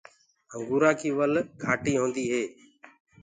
انگوُرآنٚ ڪيٚ ول جآڏي هوندي هي۔